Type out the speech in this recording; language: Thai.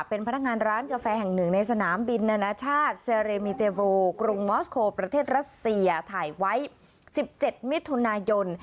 เป็นพนักงานร้านกาแฟแห่งหนึ่งในสนามบินนานาชาติเซเรมิเตโรกรุงมอสโคลประเทศรัสเซียถ่ายไว้๑๗มิถุนายน